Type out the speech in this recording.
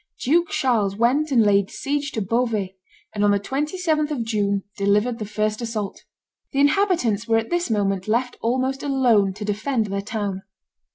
Duke Charles went and laid siege to Beauvais, and on the 27th of June delivered the first assault. The inhabitants were at this moment left almost alone to defend their town.